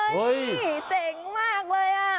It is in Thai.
เฮ้ยเจ๋งมากเลยอ่ะ